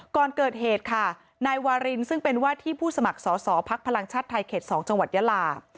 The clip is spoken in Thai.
ก่อนเกิดเหตุค่ะนายวารินซึ่งเป็นว่าที่ผู้สมัครสอสอภักดิ์พลังชาติไทยเขต๒จังหวัดยาลา